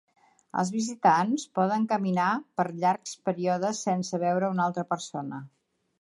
Els visitants poden caminar per llargs períodes sense veure una altra persona.